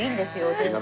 全然。